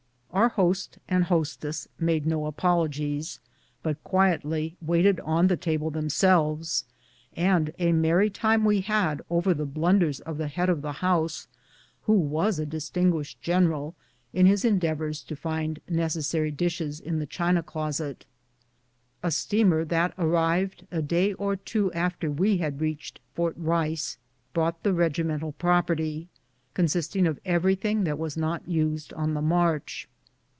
Our host and hostess made no apologies, but quietly waited on the table them selves, and a merry time we had over the blunders of the head of the house, who was a distinguished general, in his endeavors to find necessary dishes in the china closet. A steamer that arrived a day or two after we had reached Fort Rice brought the regimental property, consisting of everything that was not used on the march.